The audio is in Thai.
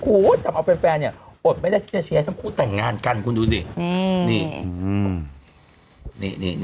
โอ๊ยจำเอาเป็นแฟนเนี่ยอดไม่ได้เชียวทั้งคู่แต่งงานกันคุณดูสิ